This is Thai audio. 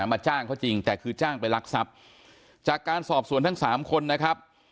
มาจ้างเขาจริงแต่คือจ้างไปรักทรัพย์จากการสอบสวนทั้งสามคนนะครับ